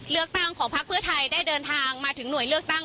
เลือกตั้งของพักเพื่อไทยได้เดินทางมาถึงหน่วยเลือกตั้ง